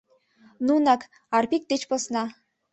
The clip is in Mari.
Нунак, Арпик деч посна.